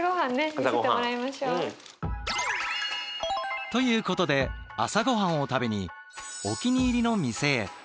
見せてもらいましょう。ということで朝ごはんを食べにお気に入りの店へ。